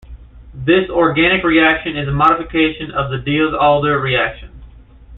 This organic reaction is a modification of the Diels-Alder reaction.